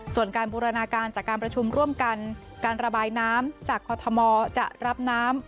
ส่วนการบูรณาการจากการประชุมร่วมกันการระบายน้ำจากคอทมจะรับน้ำ